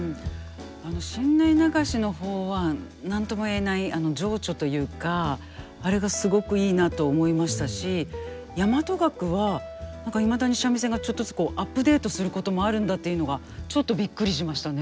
あの新内流しの方は何とも言えない情緒というかあれがすごくいいなと思いましたし大和楽はいまだに三味線がちょっとずつアップデートすることもあるんだというのがちょっとびっくりしましたね。